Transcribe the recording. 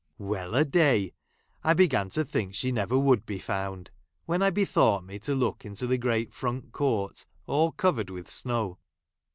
Well |j a day ! I began to think she never would be found, when I bethought me to look out into ji the great front court, all covered with snow.